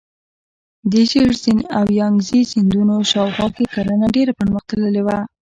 د ژیړ سیند او یانګزي سیندونو شاوخوا کې کرنه ډیره پرمختللې وه.